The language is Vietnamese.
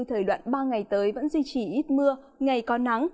thời đoạn ba ngày tới vẫn duy trì ít mưa ngày có nắng